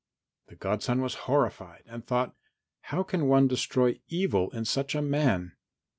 The godson was horrified and thought, "How can one destroy evil in such a man?